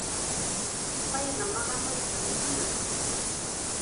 Payqa maqamaytam munan.